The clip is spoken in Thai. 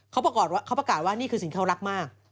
เขาประกาศว่านี่คือสิ่งที่เขารักมาก